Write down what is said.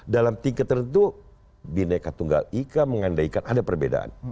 dalam tingkat tertentu bineka tunggal ika mengandaikan ada perbedaan